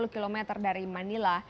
tiga puluh km dari manila